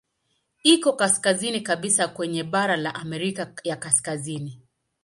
Iko kaskazini kabisa kwenye bara la Amerika ya Kaskazini.